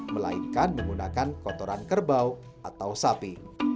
melainkan menggunakan kotoran kerbau atau sapi